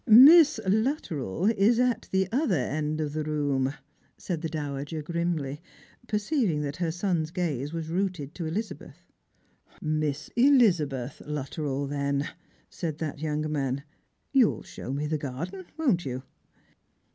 " Miss Luttrell is at the other end of the room," said the dowager grimly, perceiving that her son's gaze was rooted to Elizabeth. " Miss Elizabeth Luttrell, then," said that young man ; "you'll show me the garden, won't you